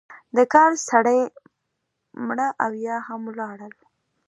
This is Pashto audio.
د کار سړی مړه او یا هم ولاړل.